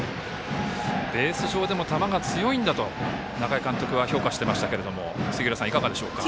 ベース上でも球が強いんだと中井監督は評価していましたけれども杉浦さん、いかがでしょうか。